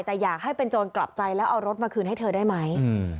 แต่อยากให้เป็นโจรกลับใจแล้วเอารถมาคืนให้เธอได้ไหม